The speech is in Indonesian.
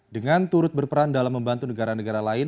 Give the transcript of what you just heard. dengan turut berperan dalam membantu negara negara lain